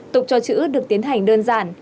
tục cho chữ được tiến hành đơn giản